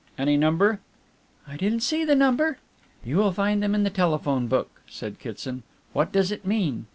"Any number?" "I didn't see the number." "You will find them in the telephone book," said Kitson. "What does it mean?"